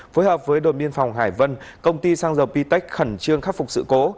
phối hợp với đồn biên phòng hải vân công ty xăng dầu ptech khẩn trương khắc phục sự cố